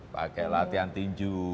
pakai latihan tinju